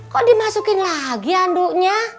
kok dimasukin lagi andunya